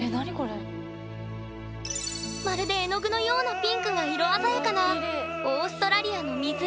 まるで絵の具のようなピンクが色鮮やかなオーストラリアの湖。